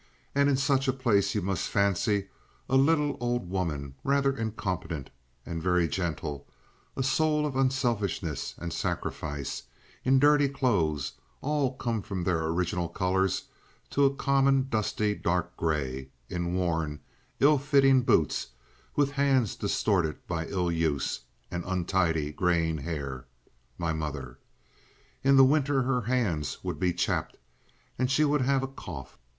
And in such a place you must fancy a little old woman, rather incompetent and very gentle, a soul of unselfishness and sacrifice, in dirty clothes, all come from their original colors to a common dusty dark gray, in worn, ill fitting boots, with hands distorted by ill use, and untidy graying hair—my mother. In the winter her hands would be "chapped," and she would have a cough.